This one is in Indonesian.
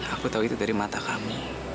aku tahu itu dari mata kami